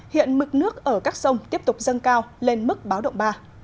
hiện mực nước ở các sông tiếp tục dâng cao lên mức báo động ba